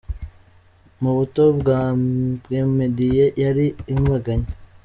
Mu buto bwe Meddy yari inkubaganyi.